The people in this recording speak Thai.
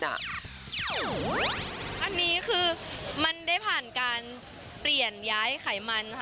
อันนี้คือมันได้ผ่านการเปลี่ยนย้ายไขมันค่ะ